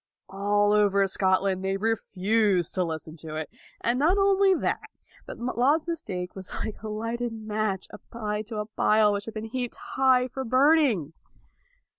All over Scotland, they refused to listen to it. And not only that, but Laud's mistake was like a lighted match applied to a pile which had been heaped high for burning.